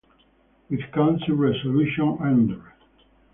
With Council Resolution nr.